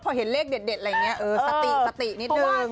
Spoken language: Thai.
พอเห็นเลขเด็ดเนนี่ยสตินิดนึง